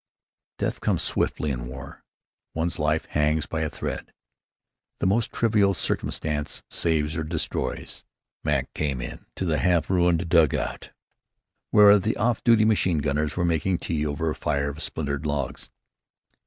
Death comes swiftly in war. One's life hangs by a thread. The most trivial circumstance saves or destroys. Mac came into the half ruined dugout where the off duty machine gunners were making tea over a fire of splintered logs.